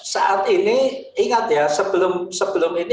saat ini ingat ya sebelum ini kan kita pernah mengurangi